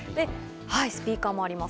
スピーカーもあります。